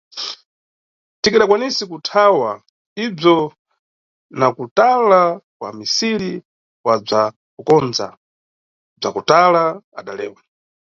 Tingadakwanisa kuthawa ibzwo na kutala kwa amisiri wa bzwa kukondza, bzwa kutala, adalewa.